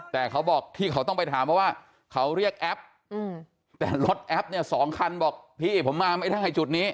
แต่เขาบอกที่เขาต้องไปถามเพราะว่าเขาเรียกแอปแต่รถแอปเนี่ย๒คันบอกพี่ผมมาไม่ได้จุดนี้